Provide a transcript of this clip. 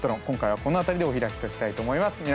今回はこの辺りでお開きとしたいと思います。